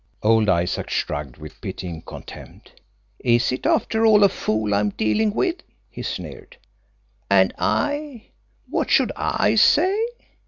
Old Isaac shrugged with pitying contempt. "Is it, after all, a fool I am dealing with!" he sneered. "And I what should I say?